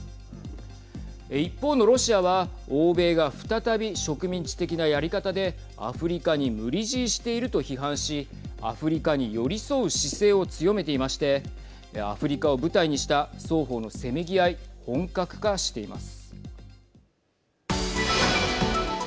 一方のロシアは欧米が再び植民地的なやり方でアフリカに無理強いしていると批判しアフリカに寄り添う姿勢を強めていましてアフリカを舞台にした双方のせめぎ合い本格化しています。